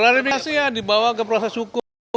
klarifikasi ya dibawa ke proses hukum